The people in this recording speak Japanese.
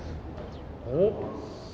おっ！